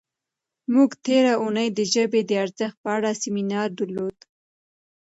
موږ تېره اونۍ د ژبې د ارزښت په اړه سیمینار درلود.